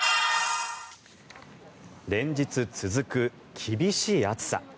連日続く厳しい暑さ。